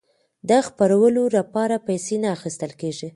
د خپرولو لپاره پیسې نه اخیستل کیږي.